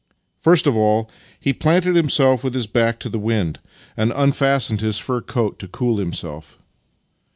First of all he planted him self with his back to the wind, and unfastened his fur Master and Man 57 coat to cool himself.